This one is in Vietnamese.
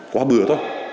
quá bừa thôi